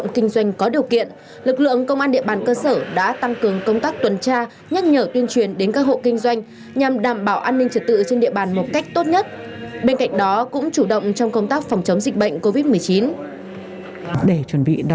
trong khi lực lượng công an địa bàn cơ sở đã tăng cường công tác tuần tra nhắc nhở tuyên truyền đến các hộ kinh doanh nhằm đảm bảo an ninh trật tự trên địa bàn một cách tốt nhất bên cạnh đó cũng chủ động trong công tác phòng chống dịch bệnh covid một mươi chín